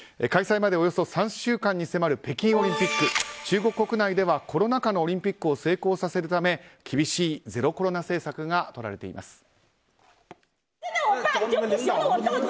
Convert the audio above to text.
開催までおよそ３週間に迫る北京オリンピック、中国国内ではコロナ禍のオリンピックを成功させるため厳しいゼロコロナ政策がとられています。